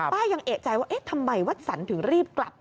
ป้ายังเอกใจว่าทำไมวัดสรรคนนี้ถึงรีบกลับ